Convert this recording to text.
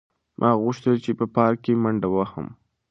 ما غوښتل چې په پارک کې منډه وهم.